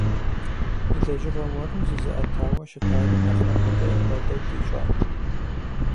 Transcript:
И лэжьыгъэ уэру зызыӏэтауэ щытари нэхъ ӏэпэдэгъэлэл ищӏат.